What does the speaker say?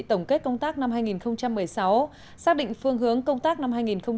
tổng kết công tác năm hai nghìn một mươi sáu xác định phương hướng công tác năm hai nghìn một mươi chín